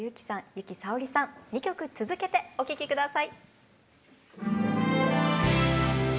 由紀さおりさん２曲続けてお聴き下さい。